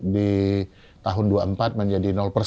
di tahun dua puluh empat menjadi